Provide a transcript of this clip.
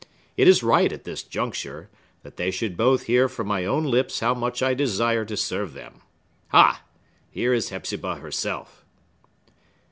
It is right, at this juncture, that they should both hear from my own lips how much I desire to serve them. Ha! here is Hepzibah herself!"